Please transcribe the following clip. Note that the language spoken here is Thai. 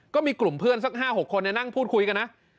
ก็มีกลุ่มเพื่อนสัก๕๖คนนั่งพูดคุยกันนะ